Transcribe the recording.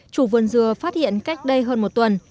chủ vườn dừa phát hiện cách đây hơn một tuần